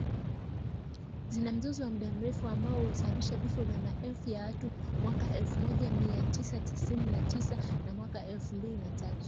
Zina mzozo wa muda mrefu ambao ulisababisha vifo vya maelfu ya watu mwaka elfu moja mia tisa tisini na tisa na mwaka elfu mbili na tatu